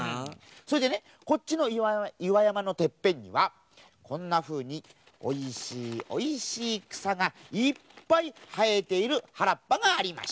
それでねこっちのいわやまのてっぺんにはこんなふうにおいしいおいしいくさがいっぱいはえているはらっぱがありました。